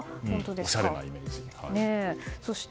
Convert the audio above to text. おしゃれなイメージでした。